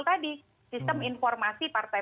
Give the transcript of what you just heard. tadi sistem informasi partai